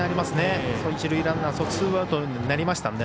一塁ランナーはツーアウトになりましたので。